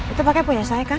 itu pakai punya saya kan